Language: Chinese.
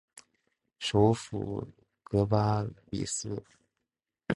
首府戈巴比斯。